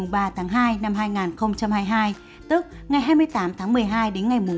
sau tết từ ngày bốn một mươi ba hai hai nghìn hai mươi hai tức ngày bốn một mươi ba một hai nghìn hai mươi hai